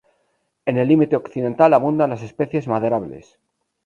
En el límite occidental, abundan las especies maderables.